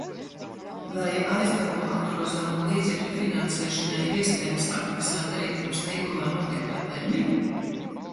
Vai aizdevumu apgrozāmo līdzekļu finansēšanai ir iespējams atmaksāt arī pirms līgumā noteiktā termiņa?